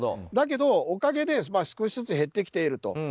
だけど、おかげで少しずつ減ってきていると。